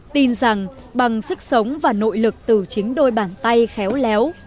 tin rằng bằng sức sống và nội lực từ chính đôi bàn tay khéo léo